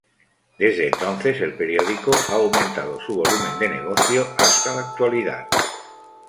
Desde entonces el periódico ha aumentado su volumen de negocio hasta la actualidad.